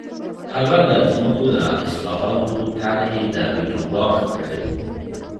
هغه د ځمکو د اصلاحاتو د طرحې د ویټو ګواښ کړی و